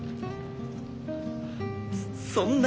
そんな。